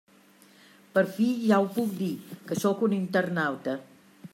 Per fi ja ho puc dir, que sóc un internauta.